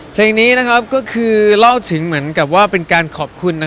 เพลงนี้นะครับก็คือเล่าถึงเหมือนกับว่าเป็นการขอบคุณนะ